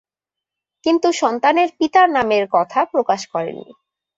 কিন্তু সন্তানের পিতার নামের কথা প্রকাশ করেননি।